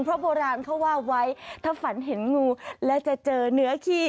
เพราะโบราณเขาว่าไว้ถ้าฝันเห็นงูแล้วจะเจอเนื้อขี้